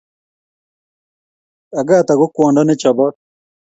Agatha ko kwondo ne chobot